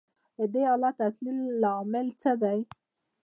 د دې حالت اصلي لامل څه دی